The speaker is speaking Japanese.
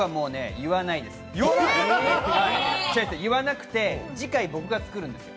言わないで次回、僕が作るんです。